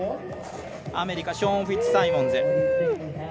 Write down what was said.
アメリカショーン・フィッツサイモンズ。